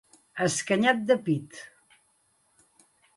Escanyat de pit.